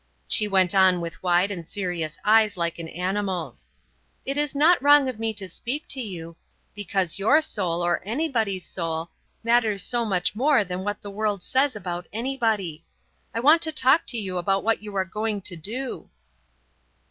She went on with wide and serious eyes like an animal's: "It is not wrong of me to speak to you, because your soul, or anybody's soul, matters so much more than what the world says about anybody. I want to talk to you about what you are going to do."